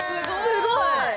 すごい！